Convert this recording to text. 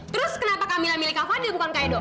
terus kenapa kamila milih kak fadil bukan kak edo